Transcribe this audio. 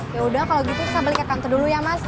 yaudah kalau gitu saya balik ke kantor dulu ya mas